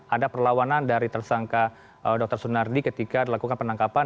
ada perlawanan dari tersangka dr sunardi ketika dilakukan penangkapan